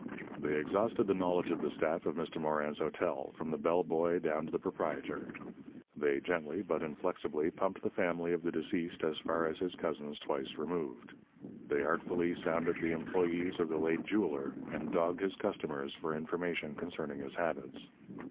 They exhausted the knowledge of the staff of Mr. Morin's hotel, from the bell boy down to the proprietor. They gently, but inflexibly, pumped the family of the deceased as far as his cousins twice removed. They artfully sounded the employees of the late jeweller, and dogged his customers for information concerning his habits.